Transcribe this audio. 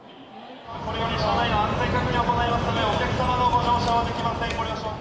これより車内の安全確認を行いますので、お客様のご乗車はできません。